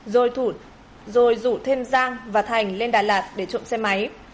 rồi rủ thêm giang và thành lên đà lạt để trụng xe máy